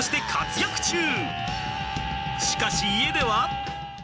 しかし家では。